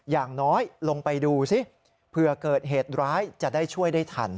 อย่างน้อยลงไปดูซิเผื่อเกิดเหตุร้ายจะได้ช่วยได้ทัน